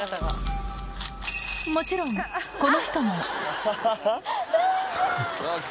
もちろんこの人も。